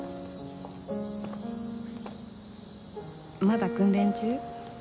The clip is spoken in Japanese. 「まだ訓練中？」